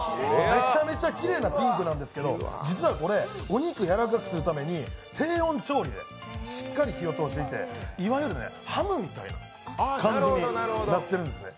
めちゃめちゃきれいなピンクなんですけど実はこれ、お肉をやわらかくするために低温調理でしっかり火を通していて、いわゆるハムみたいな感じになってるんですね。